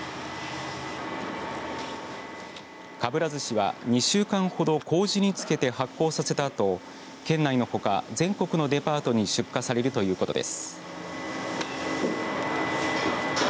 かぶらずしは２週間ほどこうじに漬けて発酵させたあと県内のほか、全国のデパートに出荷されるということです。